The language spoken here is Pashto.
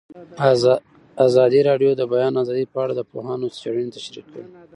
ازادي راډیو د د بیان آزادي په اړه د پوهانو څېړنې تشریح کړې.